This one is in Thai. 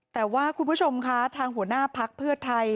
แต่ว่าคุณผู้ชมคะทางหัวหน้าพักเพื่อไทย